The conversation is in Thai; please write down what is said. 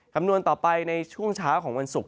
คำนวณต่อไปในช่วงเช้าของวันศุกร์